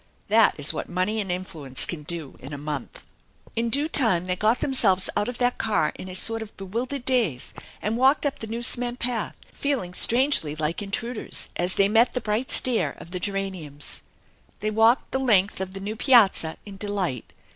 That is what money and influence can do in a month ! In due time they got themselves out of that car in a sort of bewildered daze and walked up the new cement path, feeling strangely like intruders as they met the bright stare of the geraniums. THE ENCHANTED BARN 311 They walked the length of the new piazza in delight.